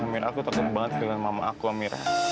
amir aku tertutup banget dengan mama aku amira